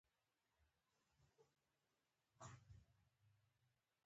په دې سره د خلكو له اړتياوو سره سم ځينې وړې او غټې پروژې